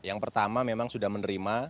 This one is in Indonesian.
yang pertama memang sudah menerima